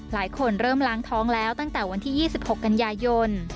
หลายคนเริ่มล้างท้องแล้วตั้งแต่วันที่๒๖กันยายน